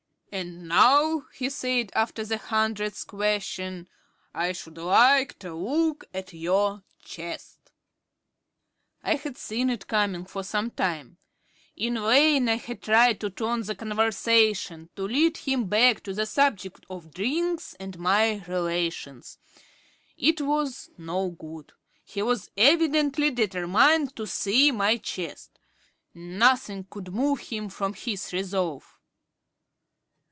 "And now," he said, after the hundredth question, "I should like to look at your chest." I had seen it coming for some time. In vain I had tried to turn the conversation to lead him back to the subject of drinks or my relations. It was no good. He was evidently determined to see my chest. Nothing could move him from his resolve.